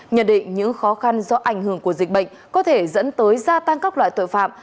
nhận định những khó khăn do ảnh hưởng của dịch bệnh có thể dẫn tới gia tăng các loại tội phạm